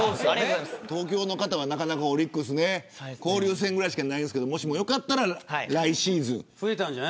東京の方はなかなかオリックスは交流戦ぐらいしか見られませんけどよかったら来シーズン。